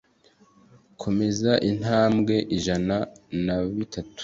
Komeza intambwe Ijana na Bitatu